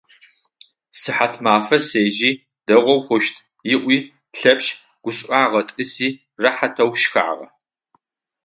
Сыхьатмафэ сежьи, дэгъоу хъущт, - ыӏуи Лъэпшъ гушӏуагъэ, тӏыси рэхьатэу шхагъэ.